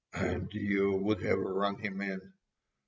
"And you would have run him in!